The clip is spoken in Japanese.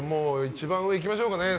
一番上、いきましょうか。